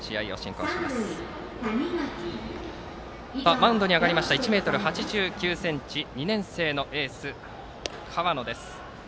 マウンドに上がりました１ｍ８９ｃｍ２年生のエース、河野です。